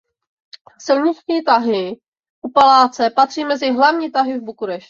Silniční tahy u paláce patří mezi hlavní tahy v Bukurešti.